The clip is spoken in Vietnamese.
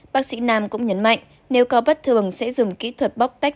bác sĩ nam cũng nhấn mạnh nếu có bất thường sẽ dùng kỹ thuật bóc tách